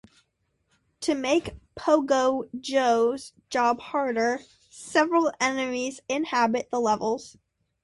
To make Pogo Joe's job harder, several enemies inhabit the levels.